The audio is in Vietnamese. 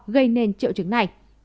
gây nên triệu chứng này